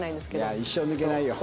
いや一生抜けないよ。